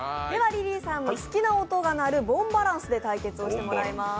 リリーさんの好きな音が鳴る「ボンバランス」で対決していただきます。